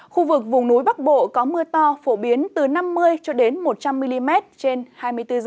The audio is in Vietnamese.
khu vực vùng núi bắc bộ có mưa to phổ biến từ năm mươi một trăm linh mm trên hai mươi bốn h